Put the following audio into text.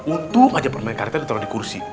untuk aja permain karakter ditaruh di kursi